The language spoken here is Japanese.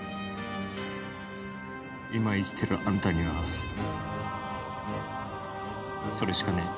今生きているあんたにはそれしかねえ。